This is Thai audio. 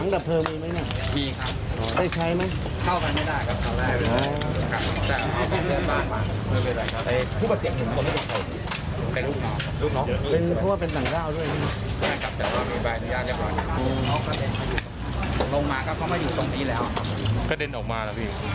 ลงมาก็เข้ามาอยู่ตรงนี้แล้วครับกระเด็นออกมานะพี่